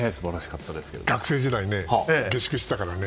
学生時代、下宿したからね。